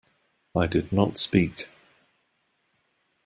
I did not speak.